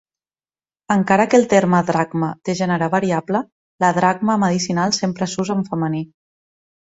Encara que el terme dracma té gènere variable, la dracma medicinal sempre s'usa en femení.